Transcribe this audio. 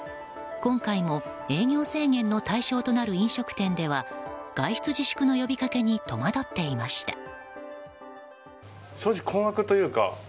今回も営業制限の対象となる飲食店では外出自粛の呼びかけに戸惑っていました。